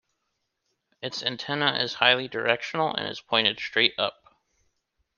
Its antenna is highly directional, and is pointed straight up.